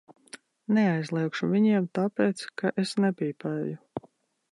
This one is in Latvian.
Neaizliegšu viņiem, tāpēc ka es nepīpēju.